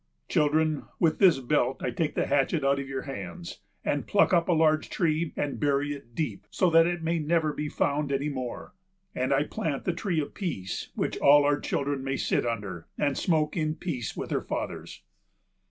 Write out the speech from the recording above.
"Children, with this belt I take the hatchet out of your hands, and pluck up a large tree, and bury it deep, so that it may never be found any more; and I plant the tree of peace, which all our children may sit under, and smoke in peace with their fathers.